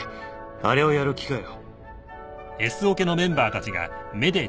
あれをやる気かよ